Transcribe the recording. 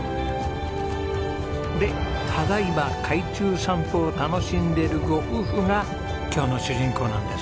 でただ今海中散歩を楽しんでいるご夫婦が今日の主人公なんです。